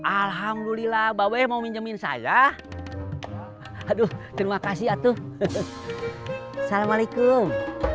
alhamdulillah bawa mau minyamin saya aduh terima kasih itu assalamualaikum